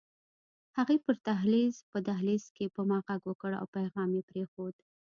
هغې په دهلېز کې په ما غږ وکړ او پيغام يې پرېښود